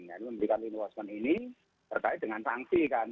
yang diberikan reinforcement ini terkait dengan sanksi kan